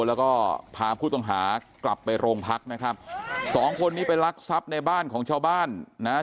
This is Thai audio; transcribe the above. แล้วก็พาผู้ต้องหากลับไปโรงพักนะครับสองคนนี้ไปลักทรัพย์ในบ้านของชาวบ้านนะฮะ